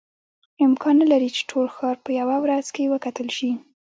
امکان نه لري چې ټول ښار په یوه ورځ کې وکتل شي.